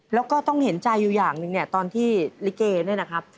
แล้วก็ต้องเห็นใจอยู่อย่างหนึ่งเนี่ยตอนที่ลิเกเนี่ยนะครับ